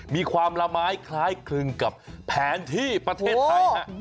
มีความละไม้คล้ายคลึงกับแผนที่ประเทศไทยฮะ